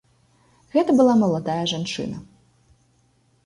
Гэта была маладая жанчына.